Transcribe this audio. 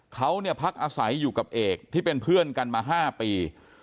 เขาเนี่ยพักอาศัยอยู่กับเอกที่เป็นเพื่อนกันมา๕ปี